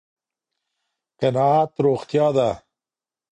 قناعت روغتيا ده